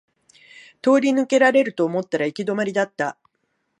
通り抜けられると思ったら行き止まりだった